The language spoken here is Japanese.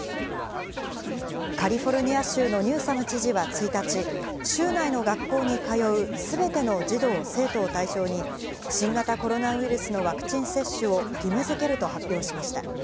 カリフォルニア州のニューサム知事は１日、州内の学校に通うすべての児童・生徒を対象に、新型コロナウイルスのワクチン接種を義務づけると発表しました。